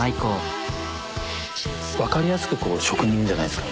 わかりやすくこう職人じゃないですか。